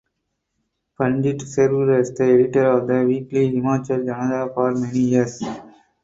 Pandit served as the editor of the weekly "Himachal Janata" for many years.